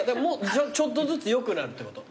ちょっとずつよくなるってこと。